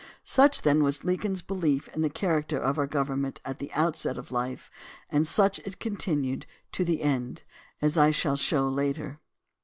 Such then was Lincoln's belief in the character of our government at the outset of life and such it con tinued to the end, as I shall show later.